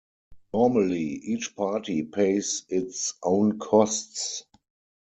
Normally each party pays its own costs.